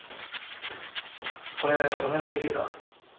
これお願いできるか？